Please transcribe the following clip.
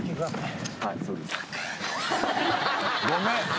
はい。